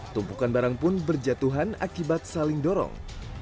tumpukan barang pun berjatuhan akibat saling dorong